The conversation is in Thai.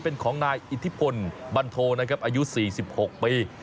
เป็นของนายอิทธิพลบันโทนะครับอายุ๔๖ปี